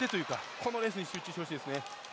このレースに集中してほしいですね。